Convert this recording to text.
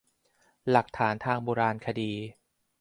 หลักฐานทางโบราณคดี